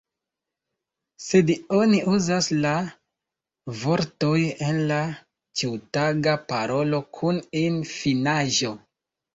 Sed oni uzas la vortoj en la ĉiutaga parolo kun -in-finaĵo.